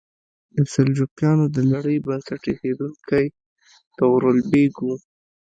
د سلجوقیانو د لړۍ بنسټ ایښودونکی طغرل بیګ و.